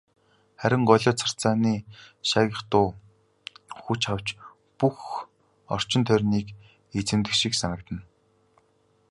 Харин голио царцааны шаагих дуу хүч авч бүх орчин тойрныг эзэмдэх шиг санагдана.